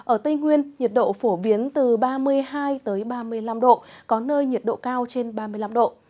ở tây nguyên nhiệt độ phổ biến từ ba mươi hai ba mươi năm độ có nơi nhiệt độ cao trên ba mươi năm độ